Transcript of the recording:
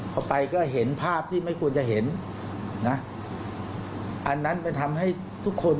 พอไปก็เห็นภาพที่ไม่ควรจะเห็นนะอันนั้นไปทำให้ทุกคน